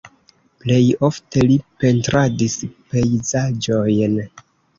Plej ofte li pentradis pejzaĝojn.